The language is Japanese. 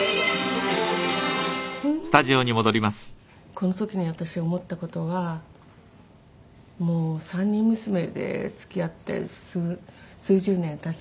この時に私思った事はもう３人娘で付き合って数十年経ちましたよね。